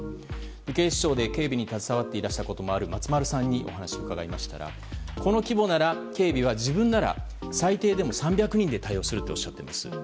警視庁で警備にも携わっていたこともある松丸さんにお話を伺いましたらこの規模なら警備は自分なら最低でも３００人で対応するとおっしゃっています。